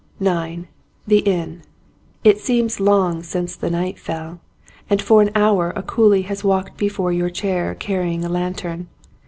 39 xs THE INN IT seems long since the night fell, and for an hour a coolie has walked before your chair carrying a lantern.